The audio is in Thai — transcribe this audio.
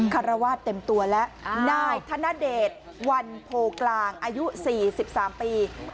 คารวาสเต็มตัวแล้วนายธนเดชวันโพกลางอายุ๔๓ปี